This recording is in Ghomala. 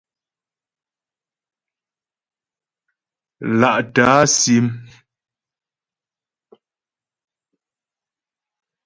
Lá'tə̀ á sim.